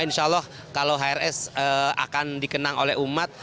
insya allah kalau hrs akan dikenang oleh umat